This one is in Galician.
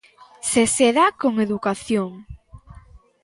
¡Se se dá con educación!